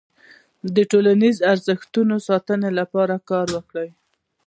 د ټولنیزو ارزښتونو د ساتنې لپاره کار کوي.